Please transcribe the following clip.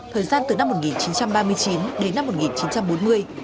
thời gian từ năm một nghìn chín trăm ba mươi chín đến năm một nghìn chín trăm bốn mươi